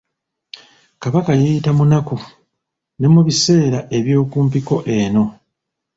Kabaka yeeyita munaku, ne mu biseera eby'okumpiko eno.